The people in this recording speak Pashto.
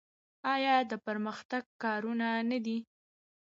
آیا د پرمختګ کاروان نه دی؟